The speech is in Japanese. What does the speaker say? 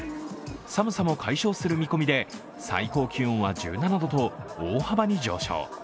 寒さも解消する見込みで最高気温は１７度と大幅に上昇。